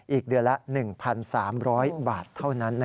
อีกเดือนละ๑๓๐๐บาทเท่านั้น